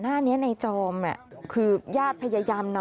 ล่างไปเจ้ากำลัง